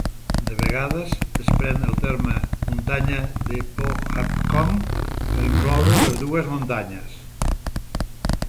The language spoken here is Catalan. De vegades es pren el terme "Muntanya de Pohatcong" per incloure les dues muntanyes.